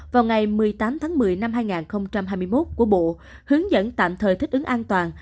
vào ngày một mươi tám tháng một mươi năm hai nghìn hai mươi một của bộ hướng dẫn tạm thời thích ứng an toàn